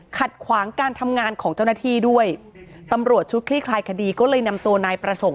ขัดขวางการทำงานของเจ้าหน้าที่ด้วยตำรวจชุดคลี่คลายคดีก็เลยนำตัวนายประสงค์